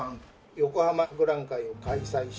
横浜博覧会を開催して。